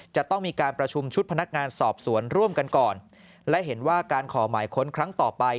จะต้องมีการประชุมชุดพนักงานสอบสวนร่วมกันก่อนและเห็นว่าการขอหมายค้นครั้งต่อไป